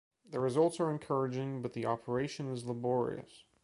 The results are encouraging, but the operation is laborious.